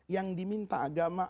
yang diminta agama